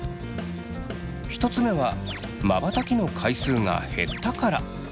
１つ目はまばたきの回数が減ったから。